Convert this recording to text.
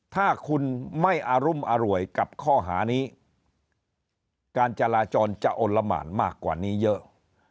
ถ้าคุณไม่อารุมอร่วยกับข้อหานี้การจราจรจะอลละหมานมากกว่านี้เยอะ